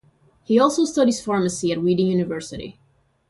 He also studies pharmacy at Reading University.